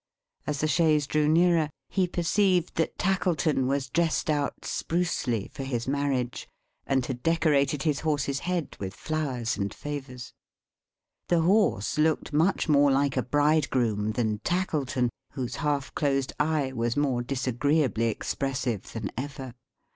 As the chaise drew nearer, he perceived that Tackleton was dressed out sprucely, for his marriage: and had decorated his horse's head with flowers and favors. The horse looked much more like a Bridegroom than Tackleton: whose half closed eye was more disagreeably expressive than ever.